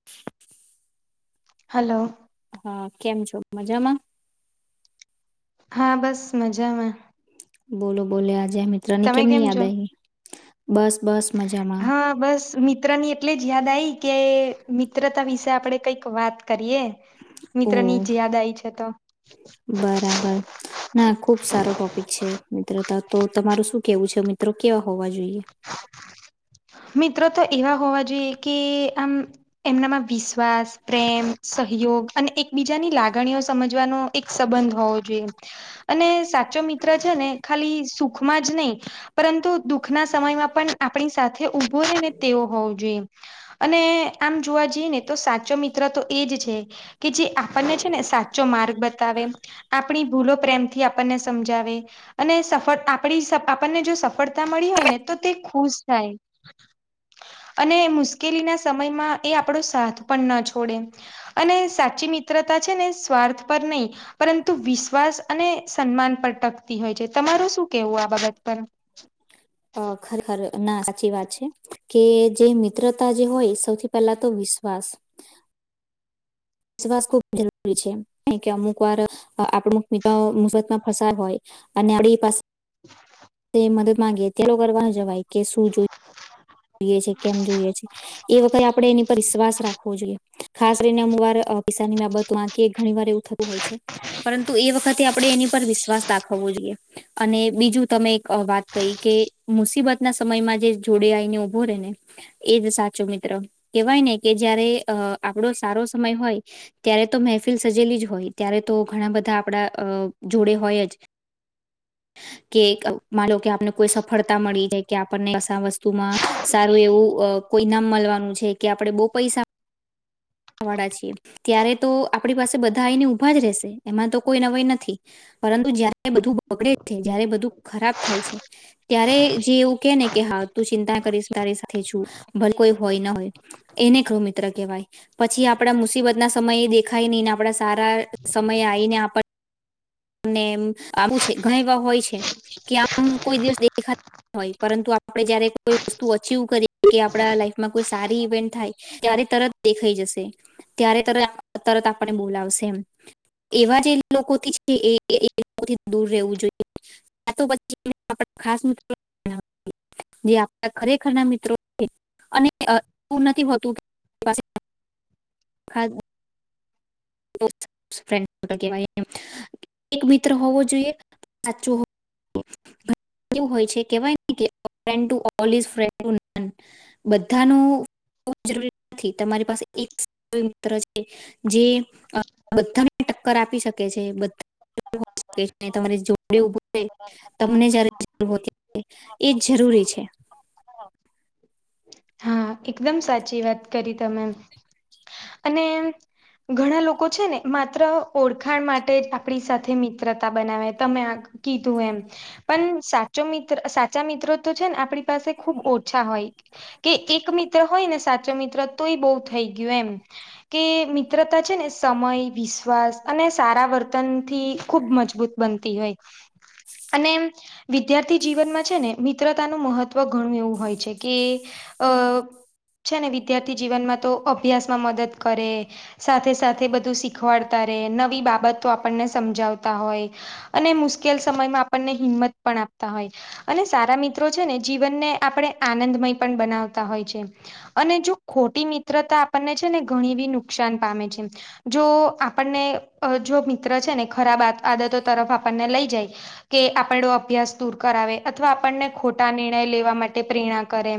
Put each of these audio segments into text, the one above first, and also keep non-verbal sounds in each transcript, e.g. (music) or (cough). (unintelligible) Hello. હા, કેમ છો? મજામાં. હા, બસ મજામાં. બોલો, બોલે આજે મિત્ર ની તમે કેમની કેમ યાદ છો આવી, બસ, બસ મજામાં. હા બસ મિત્ર ની. એટલે જ યાદ આવી કે, મિત્રતા વિશે આપડે કઈક વાત કરીએ. ઓ મિત્ર ની જ યાદ આવી છે તો. બરાબર. ના ખુબ સારો છે, મિત્રતા તો તમારું શું કેવું છે? મિત્રો કેવા હોવા મિત્રો તો એવા હોવા જોઈએ કે, આમ એમનામાં વિશ્વાસ પ્રેમ સહયોગ અને એકબીજાની લાગણીઓ સમજવાનો. એક સંબંધ હોવો જોઈએ. અને સાચો મિત્ર છે ને, ખાલી સુખમાં જ નહી પરંતુ દુઃખના સમયમાં પણ આપણી સાથે ઉભોય ને તેવો હોવો જોઈએ. અને આમ જોવા જઈએ ને, તો સાચો મિત્ર તો એજ છે કે જે. આપને છે ને, સાચો માર્ગ બતાવે, આપણી ભૂલો, પ્રેમ થી આપણને સમજાવે અને સ આપ આપણને જો સફળતા મળી હોય ને. તો તે ખુશ થાય. અને મુશ્કેલી ના સમયમાં એ આપણો પણ ના અને સાચી મિત્રતા છે ને, સ્વાર્થ પર નહી. પરંતુ વિશ્વાસ સન્માન ટકતી હોય છે, તમારે શું કેવું આ બાબત પર? અ ખરેખરે. ના સાચી વાત છે કે, જે મિત્રતા જે હોય, સૌથી પહેલા તો વિશ્વાસ. વિશ્વાસ ખુબ જરૂરી છે કે, અમુક વાર આપણિત મુતમાં ફસ હોય. અને આપડી પાસે. મદદ માંગી ત્યારે કરવા જવાય કે, શું જોઈ જોઈએ છે? કેમ જોઈએ છે? એ વખતે આપણે એની પર વિશ્વાસ રાખવો જોઈએ. ખાસ રને, અમુક વાર પિસાની બાબતો માં કી ઘણી વાર એવું થતું હોય છે. પરંતુ એ વખતે આપણે એની પર વિશ્વાસ દાખવવો જોઈએ, અને બીજું તમે એક વાત કહી કે, મુસીબત ના સમયમાં જે જોડે આઈને ઊભો રને. એજ સાચું મિત્ર કેવાય ને કે, જયારે આપડો સારો સમય હોય. ત્યારે તો મહેફિલ સજેલી જ હોય, ત્યારે તો ઘણા બધા આપણા જોડે હોય જ. (inaudible) કે મા કે આપને કોઈ સફળતા મળી જાય કે, આપણને કસા વસ્તુમાં સારું એવું. કોઈ ઈનામ મળવાનું છે કે, આપણે બહુ પૈસા વાળ છી, ત્યારે તો આપણી બધા આઇને ઊભા જ રહેશે, એમાં તો કોઈ નવાઈ નથી. પરંતુ જયારે બધું બગડે છે, જ્યારે બધું ખરાબ થાય છે, ત્યારે જે એવું કે ને. કે હા, તું ચિંતા તારી સાથે છું ભલે કોઈ હોય, હોય એને ખરુ મિત્ર કેહેવાય. પછી આપડા મુસીબત ના સમય દેખાય નહી ને, આપડા સારા સમય આવીને આપ ને આવું છે, ઘણા એવા હોય છે કે, આમ કોઈ દિવસ દેખાય. હોય, પરંતુ આપણે જયારે કોઈ વસ્તુ અચીવ કરી કે, લાઈફમાં સારી ઇવેન્ટ થાય. ત્યારે તરત દેખાઈ જશે, ત્યારે તર તરત આપણને બોલાવશે એમ. એવા જે લોકોથી છે, એ લોકોથી દૂર રહેવું જોઈએ. આ તો બચ્ચી ખાસ મતલબ બન જે આપણા ખરેખર ના મિત્રો છે, અને એવું નથી હોતું. ખા બહુ સ્ટ્રેંથ (inaudible) કહેવાય એમ એક મિત્ર હોવો જોઈએ સાચું એવું હોય છે કેવાય કે a friend to apologise a friend to fun બધાનું જરૂરી નથી તમારી પાસે એક (inaudible) છે જે બધા ને ટક્કર આપી શકે છે બધાકે છે તમારે જોડે ઊભું રે તમને જ્યારે જરૂ હોતી એ જ જરૂરી છે. હા એકદમ સાચી વાત કરી તમે. અને ઘણા લોકો છે ને માત્ર ઓળખાણ માટે જ આપડી સાથે મિત્રતા બનાવે તમે આ કીધું એમ. પણ સાચો મિત્ર સાચા મિત્રો તો છે ને આપડી પાસે ખુબ ઓછા હોય. કે એક મિત્ર હોય ને સાચો મિત્ર તોય બહુ થઈ ગયું એમ. કે મિત્રતા છે ને સમય વિશ્વાસ અને સારા વર્તનથી ખૂબ મજબૂત બનતી હોય અને એમ વિદ્યાર્થી જીવનમાં છે ને મિત્રતાનું મહત્વ ઘણું એવું હોય છે કે અહ છે ને વિદ્યાર્થી જીવનમાં તો અભ્યાસમાં મદદ કરે. સાથે સાથે બધું શીખવાડતા રહે નવી બાબતો આપણને સમજાવતા હોય. અને મુશ્કેલ સમયમાં આપણને હિંમત પણ આપતા હોય. અને સારા મિત્રો છે ને જીવનને આપડે આનંદમય પણ બનાવતા હોય છે. અને જો ખોટી મિત્રતા આપણને છે ને ઘણી બી નુકસાન પામે છે. જો આપણને અહ જો મિત્ર છે ને ખરાબ અ-આદતો તરફ આપણને લઈ જાય કે આપડો અભ્યાસ દૂર કરાવે અથવા આપણને ખોટા નિર્ણય લેવા માટે પ્રેરણા કરે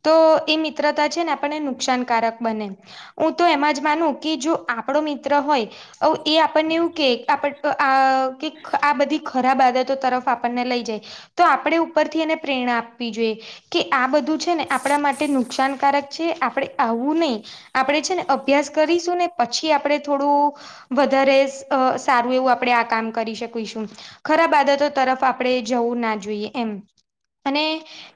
તો એ મિત્રતા છે ને આપણને નુકસાનકારક બને હું તો એમાં જ માનું કે જો આપડો મિત્ર હોય ઓ એ આપણને એવું કે આપડ આ કે આ બધી ખરાબ આદત તો તરફ આપણને લઈ જાય તો આપડે ઉપરથી એને પ્રેરણા આપવી જોઈએ કે આ બધ ધુ છે ને આપણા માટે નુકસાનકારક છે આપડે આવવું નહી આપડે છે ને અભ્યાસ કરીશું ને પછી આપડે થોડું વધારે અહ સારું એવું આપડે આ કામ કરી શકીશું. ખરાબ આદતો તરફ આપડે જવું ના જોઈએ એમ અને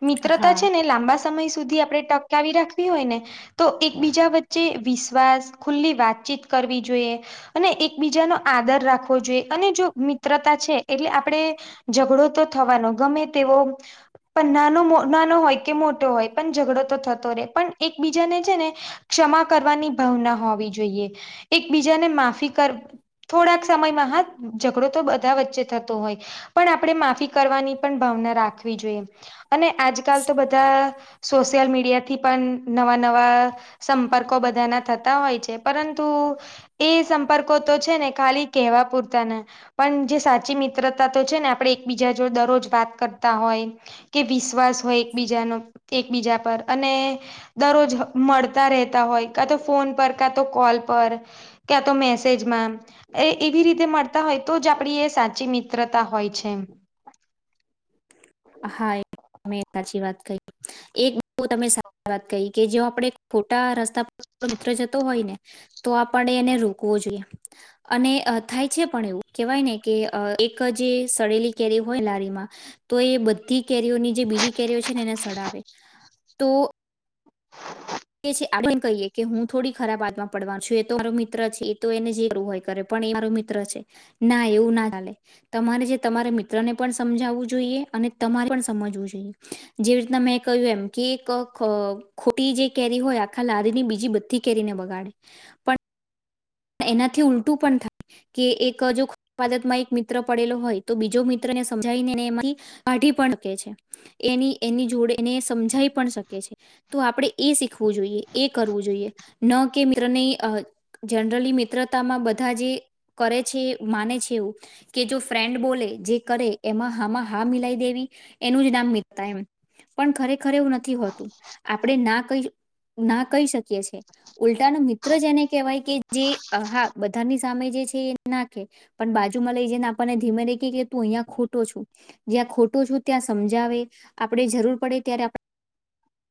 મિત્રતા છે ને હા લાંબા સમય સુધી આપડે ટકાવી રાખવી હોય ને તો એકબીજા વચ ચે વિશ્વાસ ખુલ્લી વાતચીત કરવી જોઈએ. અને એકબીજા નો આદર રાખવો જોઈએ અને જો મિત્રતા છે એટલે આપડે ઝઘડો તો થવાનો ગમે તેવો પણ નાનો મો નાનો હોય કે મોટો હોય પણ ઝઘડો તો થતો રે પન એકબીજાને છે ને ક્ષમા કરવાની ભાવના હોવી જોઈએ. એકબીજાને માફી કર થોડાક સમયમાં હાત ઝઘડો તો બધા વચ્ચે થતો હોય પણ આપડે માફી કરવાની પણ ભાવના રાખવી જોઈએ. અને આજકાલ તો બધા સોશયલ મીડિયા થી પન નવા નવા સંપર્કો બધાના થતા હોય છે પરંતુ એ સંપર્કો તો છે ને ખાલી કહેવા પૂરતા ના પણ જે સાચી મિત્રતા તો છે ને આપડે એકબીજા જો દરરોજ વાત કરતા હોય કે વિશ્વાસ હોય એકબીજાનો એકબીજા પર અને દરરોજ હ મળ તા રેતા હોય કા તો ફોન પર કા તો કોલ પર ક્યા તો મેસેજમાં એ એવી રીતે મળતા હોય તો જ આપણી એ સાચી મિત્રતા હોય છે એમ. હા એ તમે એક સાચી વાત કહી. એક બહુ તમે (inaudible) વાત કહી કે જો આપણે ખોટા રસ્તા આપણો મિત્ર જતો હોય ને તો આપણે એને રોકવો જોઈએ. અને અહ થાય છે પણ એવું. કહેવાય ને કે અહ એક જે સડેલી કેરી હોય લારીમાં તો એ બધી કેરીઓની જે બીજી કેરીઓ છે ને એને સડાવે. તો (inaudible) કહીએ કે હું થોડી ખરાબ (unintelligible) માં પડવાનું છું. એ તો મારો મિત્ર છે, એ તો એને જે કરવું હોય એ કરે. પણ એ મારો મિત્ર છે. ના એવું ના ચાલે. તમારે જે તમારા મિત્રને પણ સમજાવવું જોઈએ, અને તમારે પણ સમજવું જોઈએ. જેવી રીતના મેં કહ્યું એમ, કે ક ખ ખોટી જે કેરી હોય આખા લારીની બીજી બધી કેરીને બગાડે. પણ એનાથી ઉલટું પણ થાય, કે એક જો ખો (unintelligible) માં એક મિત્ર પડેલો હોય, તો બીજો મિત્ર એને સમજાવીને અને એમાંથી કાઢી પણ હકે છે. એની-એની જોડે એને સમજાઇ પણ શકે છે. તો આપણે એ શીખવું જોઈએ, એ કરવું જોઈએ. ન કે મિત્રને અહ જનરલી મિત્રતામાં બધા જે કરે છે એ માને છે એવું કે જો ફ્રેન્ડ બોલે, જે કરે એમાં હા માં હા મિલાઇ દેવી એનું જ નામ મિતતા એમ. પણ ખરેખર એવું નથી હોતું. આપણે ના કહી જ ના કહી શકીએ છે. ઉલ્ટા નો મિત્ર જ એને કહેવાય કે જે અહ હા, બધાની સામે જે છે એ ના કહે. પન બાજુમાં લઈ જઈ ને આપણને ધીમેથી ક્યે કે તું અહીયાં ખોટો છો. જ્યાં ખોટો છું, ત્યાં સમજાવે. આપણે જરૂર પડે ત્યારે આપ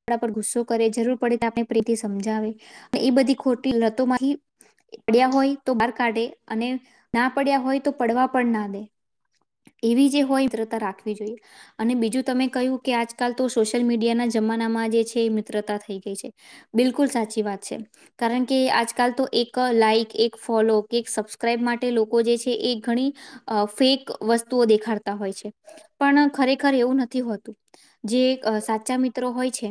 પણાં પર ગુસ્સો કરે, જરૂર પડે તો આપણે (unintelligible) સમજાવે. ને ઈ બધી ખોટી લતો માંથી (unintelligible) હોય તો બહાર કાઢે, અને ના પડ્યા હોય તો પડવા પણ ના દે. એવી જે હોય મિત્રતા રાખવી જોઈએ. અને બીજું તમે કહ્યું કે આજકાલ તો સોશિયલ મીડિયાના જમાનામાં જે છે એ મિત્રતા થઈ ગઈ છે. બિલકુલ સાચી વાત છે. કારણ કે આજકાલ તો એક ક લાઈક, એક ફોલો કે એક સબસ્ક્રાઈબ માટે લોકો જે છે એ ઘણી અહ ફેક વસ્તુઓ દેખાડતા હોય છે. પણ ખરેખર એવું નથી હોતું. જે અહ સાચા મિત્રો હોય છે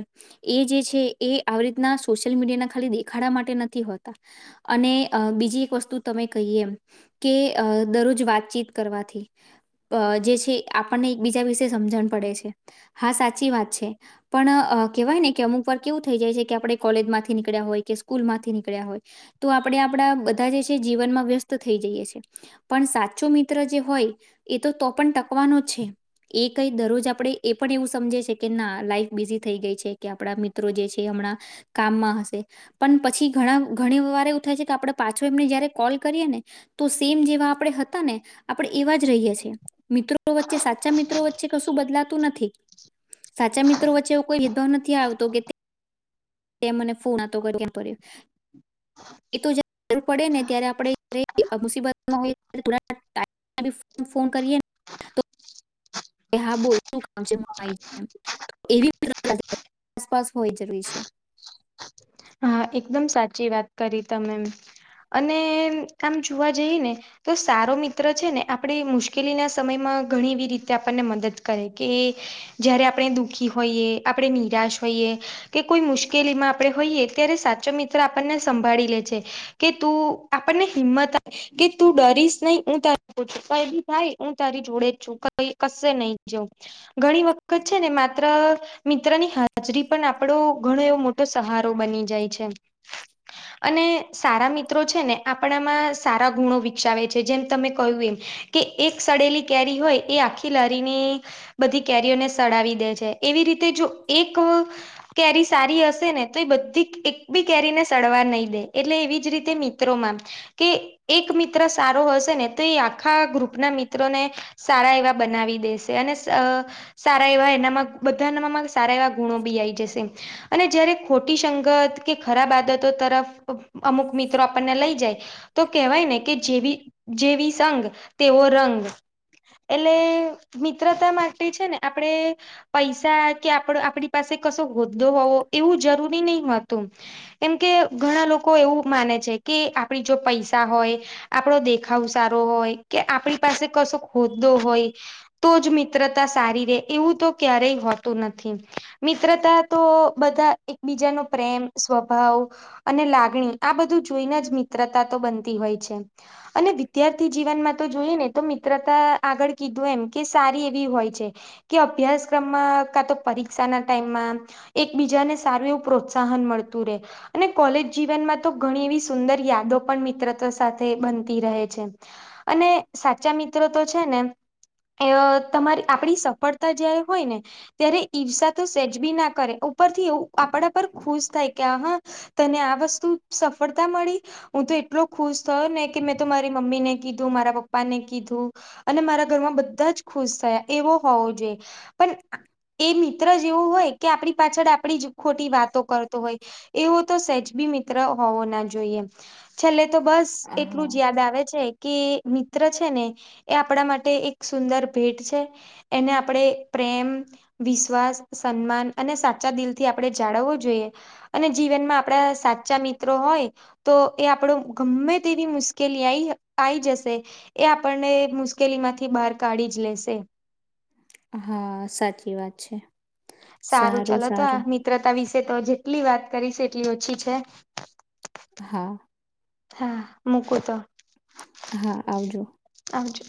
એ જે છે એ આવી રીતના સોશિયલ મીડિયાના ખાલી દેખાડા માટે નથી હોતા. અને અહ બીજી એક વસ્તુ તમે કહી એમ કે અહ દરરોજ વાતચીત કરવાથી અહ જે છે આપણને એકબીજા વિશે સમજણ પડે છે. હા સાચી વાત છે. પણ અહ કહેવાય ને કે અમુક વાર કેવું થઈ જાય છે કે આપણે કોલેજ માંથી નીકળ્યા હોય, કે સ્કૂલ માંથી નીકળ્યા હોય. તો આપણે આપણા બધા જે છે જીવનમાં વ્યસ્ત થઈ જઈએ છે. પણ સાચો મિત્ર જે હોય એ તો-તો પણ ટકવાનો જ છે. એ કંઈ દરરોજ આપણે એ પણ એવું સમજે છે, કે ના લાઈફ બિઝી થઈ ગઈ છે કે આપણા મિત્રો જે છે એ હમણાં કામમાં હશે, પણ પછી ઘણા ઘણી વાર એવું થાય છે કે આપણે પાછું એમને જયારે કોલ કરીએ ને તો સેમ જેવા આપણે હતા ને આપણે એવા જ રહીએ છે. મિત્રો વચ્ચે સાચા મિત્રો વચ્ચે કશું બદલાતું નથી. સાચા મિત્રો વચ્ચે એવો કોઈ ભેદભાવ નથી આવતો કે તે મને ફોન (inaudible) એ તો (inaudible) જરૂર પડે ને ત્યારે આપણે (inaudible) મુસીબતમાં હોય (inaudible) ફોન કરીએન કે હા બોલ શું કામ (inaudible) હા, એકદમ સાચી વાત કરી, તમેમ અને આમ જોવા જઈ ને. તો સારો મિત્ર છે ને, આપણે મુશ્કેલીના સમયમાં ઘણી એવી રીતે આપણને મદદ કરે કે. જયારે આપણે દુઃખી હોઈએ, આપણે નિરાશ હોઈએ કે કોઈ મુશ્કેલીમાં આપણે હોઈએ. ત્યારે સાચો મિત્ર આપણને સંભાળી લે છે કે, તું આપણને હિંમત કે તું ડરીશ નહી, હું તારી પ છું ક બી થાય, હું તારી જોડે જ છું, કઈ કશે નહી જઉં. ઘણી વખત છે ને, માત્ર મિત્રની હાજરી પણ આપડો ઘણો એવો મોટો સહારો બની જાય છે. અને સારા મિત્રો છે ને, આપણામાં સારા ગુણો વિકસાવે છે જેમ તમે કહ્યું એમ. કે એક સડેલી કેરી હોય, એ આખી લારીને. બધી કેરીઓને સડાવી દે છે, એવી રીતે જો એક કેરી સારી હશે ને, તો એ બધી એક બી કેરીને સડવા નહી દે, એટલે એવી જ રીતે મિત્રો માં કે એક મિત્ર સારો હશે ને, તો એ આખા ગ્રુપના મિત્રોને સારા એવા બનાવી દેશે, અને સારા એવા એનામાં બધા એ સારા એવા ગુણો બી આવીઈ જશે, અને જયારે ખોટી સંગત કે ખરાબ આદતો તરફ અમુક મિત્રો આપણને લઈ જાય તો, કેહેવાય ને, કે જેવી જેવી સંગ તેવો રંગ. એટલે મિત્રતા માટે છે ને, આપડે. પૈસા કે આપ આપણી પાસે કશો હોદ્દો હોવો એવું જરૂરી નહી હોત. એમ કે ઘણા લોકો એવું માને છે કે, આપડી જો પૈસા હોય. આપણો દેખાવ સારો હોય કે, આપણી પાસે કશો ખોદદો હોય. તો જ મિત્રતા સારી રે, એવું તો ક્યારેય હોતું નથી, મિત્રતા તો બધા એકબીજાનો. પ્રેમ સ્વભાવ અને લાગણી આ બધું જોઈને, જ મિત્રતા તો બનતી હોય છે. અને વિદ્યાર્થી જીવનમાં તો જોઈએ ને, તો મિત્રતા આગળ કીધું, એમ કે સારી એવી હોય છે. કે અભ્યાસક્રમમાં કા તો પરીક્ષા ના ટાઈમમાં એક બીજાને સારું એવું પ્રોત્સાન. સહન મળતું રહે. અને કોલેજ જીવનમાં તો ઘણી એવી સુંદર યાદો પણ મિત્રતા સાથે બનતી રહે છે. અને સાચા મિત્રો તો છે ને. એ તમારી આપણી સફળતા જયારે હોય ને. ત્યારે ઈર્ષા તો સેજ બી ના કરે, ઉપર થી એવું આપડા. પણ ખુશ થાય કે, આ હા, તને આ વસ્તુ સફળતા મળી, હું તો એટલો ખુશ થયો ને કે, મેં તો મારી મમ્મી ને કીધું મારા પપ્પા ને કીધું, અને મારા ઘરમાં બધા જ ખુશ થયા એવો હોવો જોઈએ. પણ એ મિત્ર જેવું હોય કે, આપણી પાછળ આપણી જ ખોટી વાત. તો કરતો હોય, એવો તો સહેજ બી મિત્ર હોવો ના જોઈએ. છેલ્લે તો બસ એટલું જ યાદ આવે છે. કે મિત્ર છે ને, એ આપણા માટે એક સુંદર ભેટ છે. એને આપણેે પ્રેમ વિશ્વાસ સન્માન અને સાચા દિલથી આપણે જાળવવો. જોઈએ, અને જીવનમાં આપડા સાચા મિત્રો હોય. તો એ આપડો ગમે તેવી મુશ્કેલી આઈ આવી જશે. એ આપણને મુશ્કેલીમાંથી બહાર કાઢી જ લેશે. હા, સાચી વાત છે. સારું ચાલો, તો આ મિત્રતા વિશે તો જેટલી વાત કરી છે, એટલી ઓછી છે. હા. હા મૂકું તો. હા આવજો. આવજો.